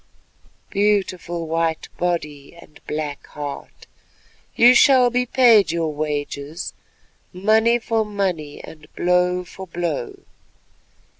Beautiful white body and black heart, you shall be paid your wages, money for money, and blow for blow.